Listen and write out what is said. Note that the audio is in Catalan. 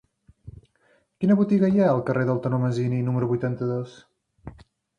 Quina botiga hi ha al carrer del Tenor Masini número vuitanta-dos?